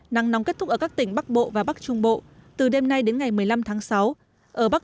nắng nóng kết thúc ở các tỉnh bắc bộ và bắc trung bộ từ đêm nay đến ngày một mươi năm tháng sáu ở bắc